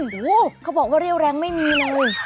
โอ้โหเขาบอกว่าเรี่ยวแรงไม่มีเลย